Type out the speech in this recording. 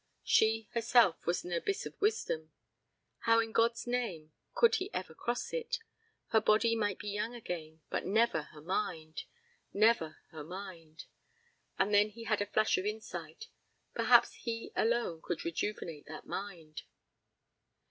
She herself was an abyss of wisdom. How in God's name could he ever cross it? Her body might be young again, but never her mind. Never her mind! And then he had a flash of insight. Perhaps he alone could rejuvenate that mind.